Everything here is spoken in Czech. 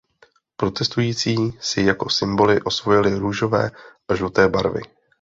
Protestující si jako symboly osvojili růžové a žluté barvy.